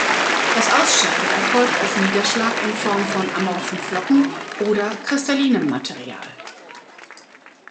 Das Ausscheiden erfolgt als Niederschlag in Form von amorphen Flocken oder kristallinem Material.